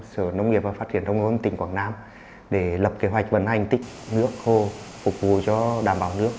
sở nông nghiệp và phát triển nông ương tỉnh quảng nam để lập kế hoạch vận hành tích nước khô phục vụ cho đảm bảo nước